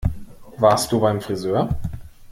Warst du beim Frisör?